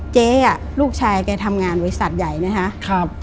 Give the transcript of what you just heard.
เจ๊ลูกชายแกทำงานบริษัทใหญ่นะคะ